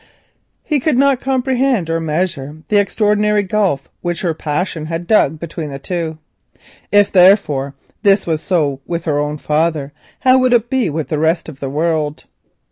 He could not comprehend or measure the extraordinary gulf which her love dug between the two. If, therefore, this was so with her own father, how would it be with the rest of the world?